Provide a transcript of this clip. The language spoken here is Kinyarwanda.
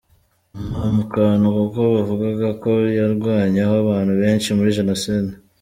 Ngwa mu kantu, kuko bavugaga ko yarwanyeho abantu benshi muri génocide.